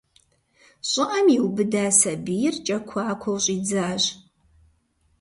ЩӀыӀэм иубыда сабийр кӀэкуакуэу щӀидзащ.